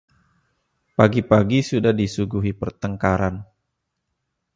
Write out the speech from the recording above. Pagi-pagi sudah disuguhi pertengkaran.